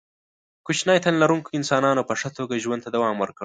کوچني تن لرونکو انسانانو په ښه توګه ژوند ته دوام ورکړ.